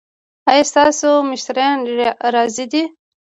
ایا ستاسو مشتریان راضي دي؟